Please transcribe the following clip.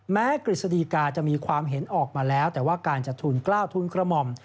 กฤษฎีกาจะมีความเห็นออกมาแล้วแต่ว่าการจัดทุนกล้าวทุนกระหม่อม